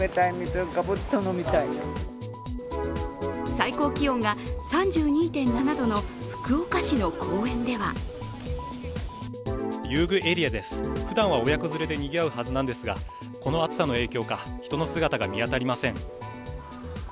最高気温が３２．７度の福岡市の公園では遊具エリアです、ふだんは親子連れでにぎわうんですが、この暑さの影響か人の姿が見当たりません。